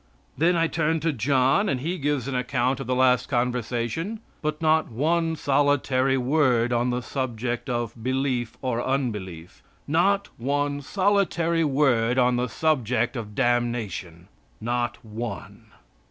Then I turn to John, and he gives an account of the last conversation, but not one solitary word on the subject of belief or unbelief. Not one solitary word on the subject of damnation. Not one.